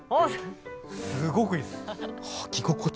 すごくいいです